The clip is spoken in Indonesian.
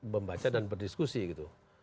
membaca dan berdiskusi gitu